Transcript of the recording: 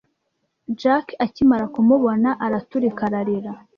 Jack akimara kumubona, araturika ararira.